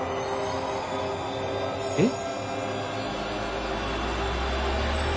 えっ？